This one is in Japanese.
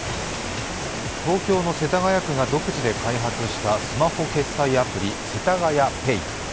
東京の世田谷区が独自で開発したスマホ決済アプリ、せたがやＰａｙ。